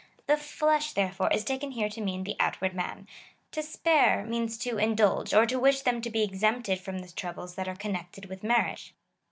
The flesh, therefore, is taken here to mean the outward man. To spare means to indulge, or to wish them to be exempted from the troubles that are connected with marriage.